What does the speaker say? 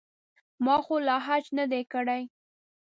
ما خو لا حج نه دی کړی.